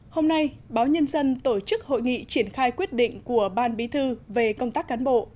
hôm nay báo nhân dân tổ chức hội nghị triển khai quyết định của ban bí thư về công tác cán bộ